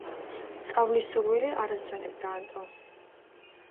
სწავლის სურვილი არ ასვენებდა ანტონს.